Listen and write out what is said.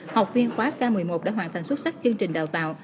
học viên khóa k một mươi một đã hoàn thành xuất sắc chương trình đào tạo